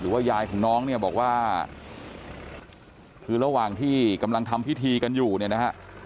ว่ายายของน้องเนี่ยบอกว่าคือระหว่างที่กำลังทำพิธีกันอยู่เนี่ยนะฮะ